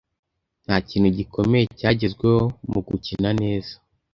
Ntakintu gikomeye cyagezweho mugukina neza.